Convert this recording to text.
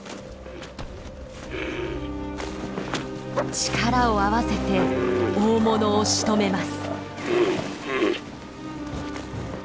力を合わせて大物をしとめます。